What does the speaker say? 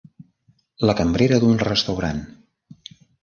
La cambrera d'un restaurant